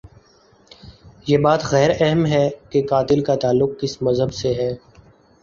یہ بات غیر اہم ہے کہ قاتل کا تعلق کس مذہب سے ہے۔